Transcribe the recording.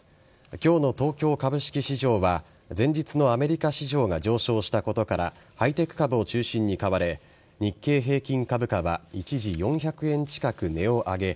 今日の東京株式市場は前日のアメリカ市場が上昇したことからハイテク株を中心に買われ日経平均株価は一時４００円近く値を上げ